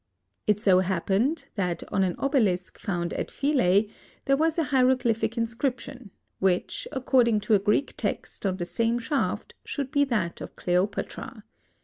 It so happened that on an obelisk found at Philæ there was a hieroglyphic inscription, which, according to a Greek text on the same shaft should be that of Cleopatra.